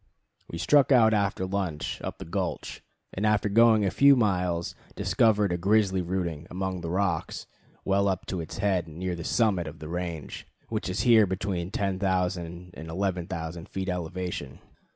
We struck out after lunch up the gulch, and after going a few miles discovered a grizzly rooting among the rocks well up to its head, near the summit of the range, which is here between 10,000 and 11,000 feet elevation.